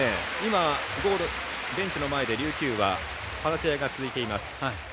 ベンチの前で琉球は話し合いが続いています。